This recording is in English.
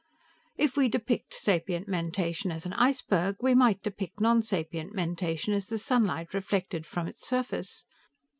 "If we depict sapient mentation as an iceberg, we might depict nonsapient mentation as the sunlight reflected from its surface.